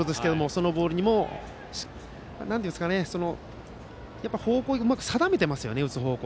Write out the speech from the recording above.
そのボールにも打つ方向をうまく定めていますよね。